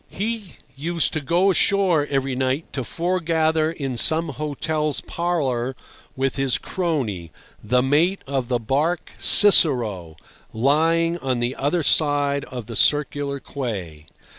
He used to go ashore every night to foregather in some hotel's parlour with his crony, the mate of the barque Cicero, lying on the other side of the Circular Quay.